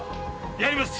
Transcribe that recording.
やります！